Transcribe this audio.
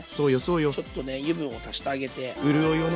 ちょっとね油分を足してあげて。